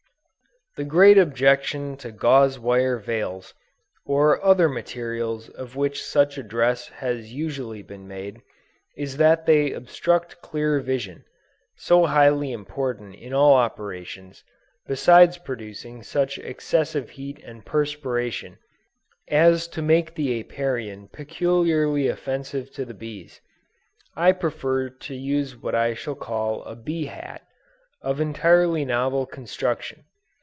The great objection to gauze wire veils or other materials of which such a dress has been usually made, is that they obstruct clear vision, so highly important in all operations, besides producing such excessive heat and perspiration, as to make the Apiarian peculiarly offensive to the bees. I prefer to use what I shall call a bee hat, of entirely novel construction.